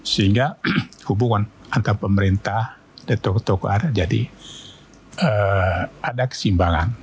sehingga hubungan antar pemerintah dan tokoh tokoh ada jadi ada kesimbangan